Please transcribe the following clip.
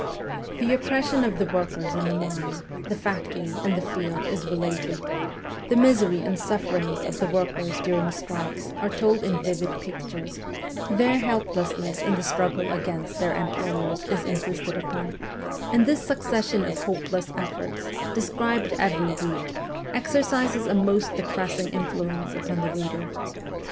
The oppression of the workers in the mine, the factory, and the field is related ; the misery and sufferings of the workers during strikes are told in vivid pictures ; their helplessness in the struggle against their employers is insisted upon ; and this succession of hope less efforts, described every week, exercises a most depressing influence upon the reader.